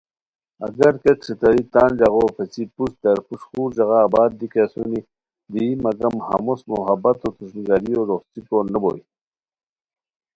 اگر کیہ ݯھتراری تان ژاغو پیڅھی بی پُشت در پُشت خور ژاغا آباد دی کی اسونی دی مگم ہمو محبتو تھروݰنی گریو روخڅیکو نو بوئے